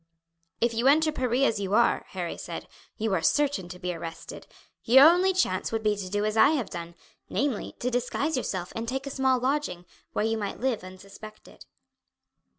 "If you enter Paris as you are," Harry said, "you are certain to be arrested. Your only chance would be to do as I have done, namely to disguise yourself and take a small lodging, where you might live unsuspected."